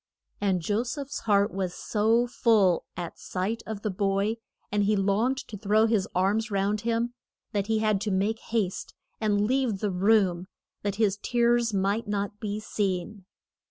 And Jo seph's heart was so full at sight of the boy, and he longed so to throw his arms round him, that he had to make haste and leave the room that his tears might not be seen.